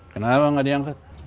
kenapa gak diangkat